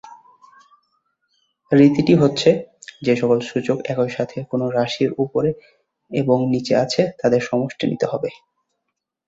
রীতিটি হচ্ছে, যে সকল সূচক একই সাথে কোন রাশির উপরে এবং নিচে আছে তাদের সমষ্টি নিতে হবে।